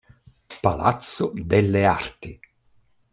Palazzo delle arti